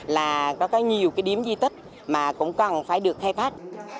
là có nhiều điểm di tích mà cũng cần phải được khai phát